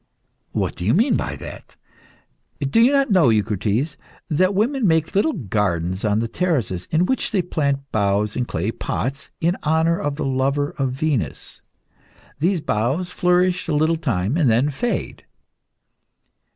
"What do you mean by that?" "Do you not know, Eucrites, that women make little gardens on the terraces, in which they plant boughs in clay pots in honour of the lover of Venus? These boughs flourish a little time, and then fade."